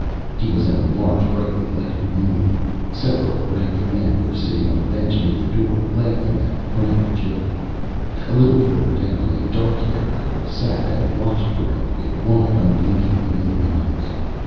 He was in a large, brightly lighted room. Several ragged men were sitting on a bench near the door, laughing at a private joke. A little further down, a dark haired girl sat and watched Barrent with wide, unblinking green eyes.